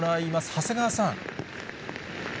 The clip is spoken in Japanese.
長谷川さん。